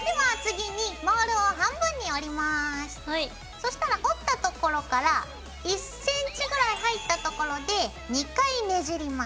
そしたら折ったところから１ｃｍぐらい入ったところで２回ねじります。